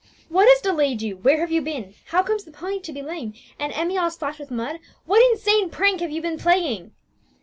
"What has delayed you? where have you been? how comes the pony to be lame, and Emmie all splashed with mud? what insane prank have you been playing?"